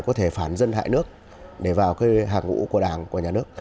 có thể phản dân hại nước để vào cái hàng ngũ của đảng của nhà nước